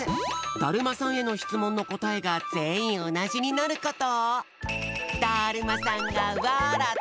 だるまさんへのしつもんのこたえがぜんいんおなじになること。